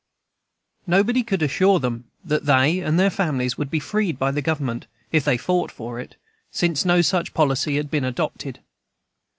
Nobody could assure them that they and their families would be freed by the Government, if they fought for it, since no such policy had been adopted.